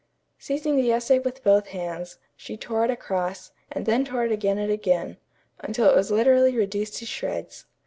Seizing the essay with both hands, she tore it across, and then tore it again and again, until it was literally reduced to shreds.